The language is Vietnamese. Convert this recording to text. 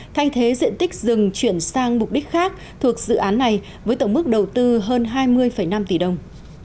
thay thế diện tích rừng chuyển sang mục đích khác thuộc dự án này với tổng mức đầu tư hơn hai mươi năm tỷ đồng